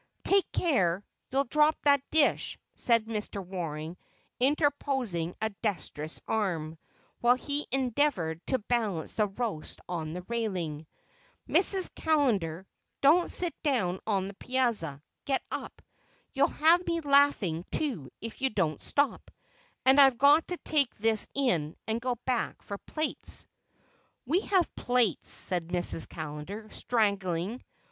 "Take care, you'll drop that dish," said Mr. Waring interposing a dexterous arm, while he endeavored to balance the roast on the railing. "Mrs. Callender, don't sit down on the piazza; get up. You'll have me laughing, too, if you don't stop, and I've got to take this in and go back for plates." "We have plates," said Mrs. Callender, strangling.